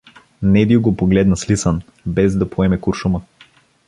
Недю го погледна слисан, без да поеме куршума.